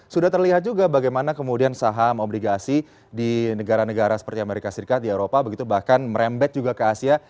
sudah terlihat juga bagaimana kemudian saham obligasi di negara negara seperti amerika serikat di eropa begitu bahkan merembet juga ke asia